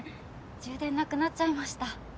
充電なくなっちゃいました。